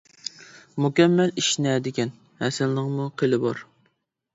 مۇكەممەل ئىش نەدىكەن، ھەسەلنىڭمۇ قىلى بار.